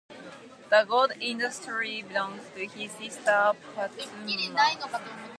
The goat in the story belongs to his sister Pathumma.